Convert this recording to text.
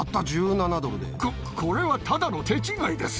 これはただの手違いです。